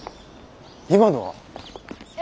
今のは？え？